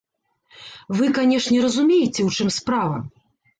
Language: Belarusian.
Вы, канешне, разумееце, у чым справа?